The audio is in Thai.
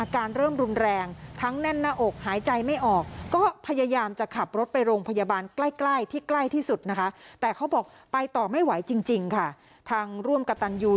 ก็ยังองค์แปลงร่วมกับตังยู